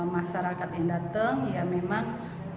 masyarakat yang datang ya memang